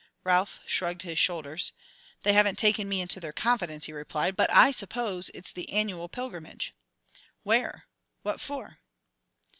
Ralph shrugged his shoulders. "They haven't taken me into their confidence," he replied, "but I suppose it's the annual pilgrimage." "Where? What for?"